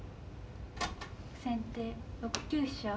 先手６九飛車。